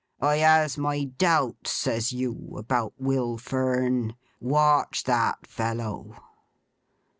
I has my doubts," says you, "about Will Fern. Watch that fellow!"